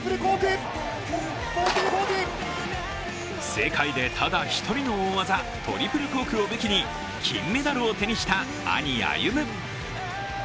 世界でただ一人の大技トリプルコークを武器に金メダルを手にした兄・歩夢。